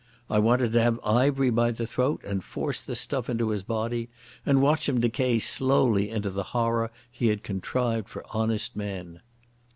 I wanted to have Ivery by the throat and force the stuff into his body, and watch him decay slowly into the horror he had contrived for honest men.